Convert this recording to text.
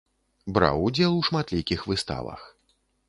Браў удзел у шматлікіх выставах.